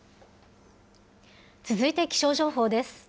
続いて気象情報です。